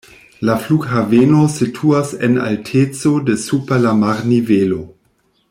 La flughaveno situas en alteco de super la marnivelo.